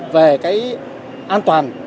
về an toàn